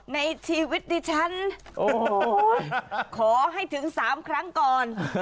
ในชีวิตดิฉันโอ้โหขอให้ถึง๓ครั้งก่อน